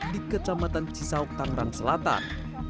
di kecamatan cisauk tangerang selatan